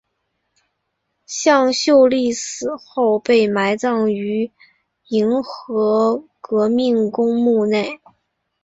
向秀丽死后被葬于银河革命公墓内。